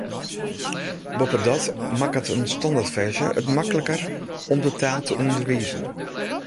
Boppedat makket in standertferzje it makliker om de taal te ûnderwizen.